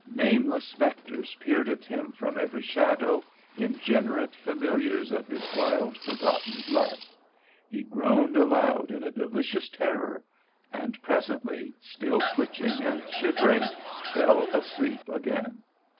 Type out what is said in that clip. Nameless specters peered at him from every shadow, ingenerate familiars of his wild, forgotten blood. He groaned aloud in a delicious terror; and presently, still twitching and shivering, fell asleep again.